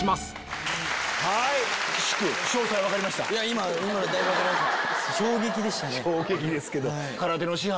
今のでだいぶ分かりました。